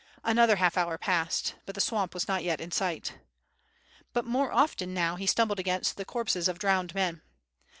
Another half hour passed, but the swamp was not yet in sight. But more often now he stumbled against the corpses of drowned men.